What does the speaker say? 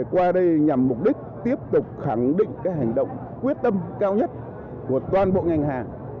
qua đây nhằm mục đích tiếp tục khẳng định hành động quyết tâm cao nhất của toàn bộ ngành hàng